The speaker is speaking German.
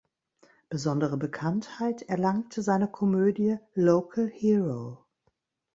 Besondere Bekanntheit erlangte seine Komödie "Local Hero.